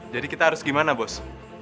jadi kita harus gimana bos